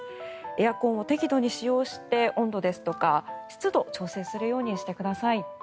エアコンを適度に使用して温度ですとか湿度を調整するようにしてください。